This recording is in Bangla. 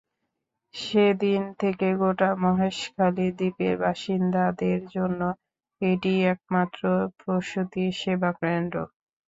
সেদিক থেকে গোটা মহেশখালী দ্বীপের বাসিন্দাদের জন্য এটিই একমাত্র প্রসূতি সেবাকেন্দ্র।